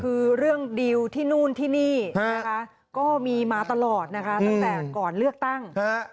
คือเรื่องดีลที่นู่นที่นี่นะคะก็มีมาตลอดนะคะตั้งแต่ก่อนเลือกตั้ง